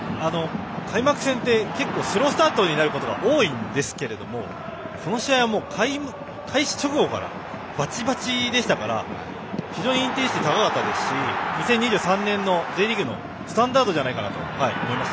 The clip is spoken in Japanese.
開幕戦って結構スロースタートになることが多いんですけれどもこの試合は開始直後からバチバチでしたから非常にインテンシティーが高かったですし２０２３年のＪリーグのスタンダードじゃないかなと思いました。